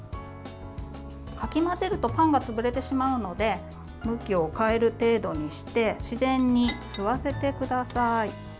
かき混ぜるとパンが潰れてしまうので向きを変える程度にして自然に吸わせてください。